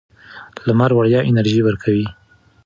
لمر وړیا انرژي ورکوي.